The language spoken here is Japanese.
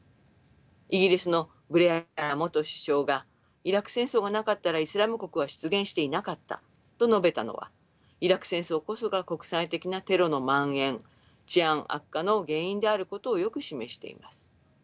イギリスのブレア元首相がイラク戦争がなかったらイスラム国は出現していなかったと述べたのはイラク戦争こそが国際的なテロのまん延治安悪化の原因であることをよく示しています。